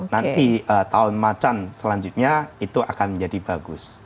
nanti tahun macan selanjutnya itu akan menjadi bagus